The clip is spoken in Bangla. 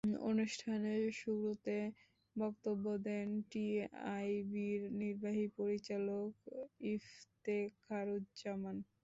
অনুষ্ঠানের শুরুতে বক্তব্য দেন টিআইবির নির্বাহী পরিচালক ইফতেখারুজ্জামান।